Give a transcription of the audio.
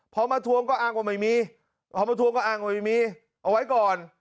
พอมาทวงก็อ้างว่าไม่มีพอมาทวงก็อ้างว่าไม่มีเอาไว้ก่อน